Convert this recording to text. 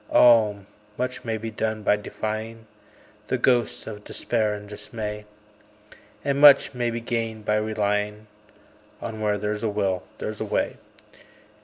Oh! much may be done by defying The ghosts of Despair and Dismay; And much may be gained by relying On "Where there's a will there's a way."